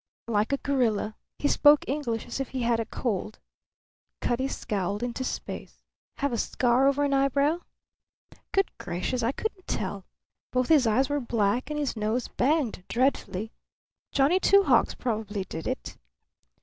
"Like a gorilla. He spoke English as if he had a cold." Cutty scowled into space. "Have a scar over an eyebrow?" "Good gracious, I couldn't tell! Both his eyes were black and his nose banged dreadfully. Johnny Two Hawks probably did it."